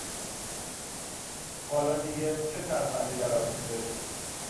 حالا دیگه چه ترفندی در آستین داری؟